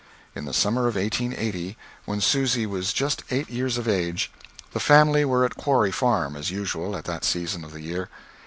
In the summer of 1880, when Susy was just eight years of age, the family were at Quarry Farm, as usual at that season of the year.